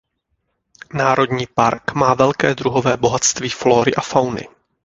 Národní park má velké druhové bohatství flóry a fauny.